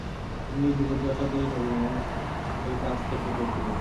তিনি নিজ জীবদ্দশাতেই নবী মুহাম্মদ এর কাছ থেকে পেয়েছিলেন।